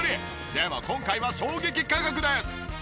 でも今回は衝撃価格です！